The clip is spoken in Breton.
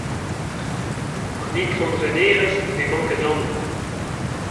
An itron renerez n'emañ ket amañ.